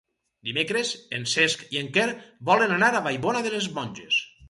Dimecres en Cesc i en Quer volen anar a Vallbona de les Monges.